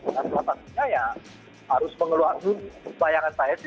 dan sepatutnya ya harus mengeluarkan bayangan saya sih